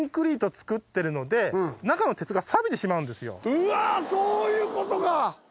うわそういうことか！